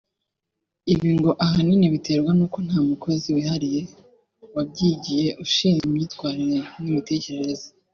Ibi ngo ahanini biterwa n’uko nta mukozi wihariye wabyigiye ushinzwe imyitwarire n’imitekerereze